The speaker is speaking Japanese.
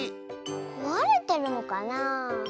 こわれてるのかな？